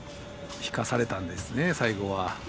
引かされたんですね、最後は。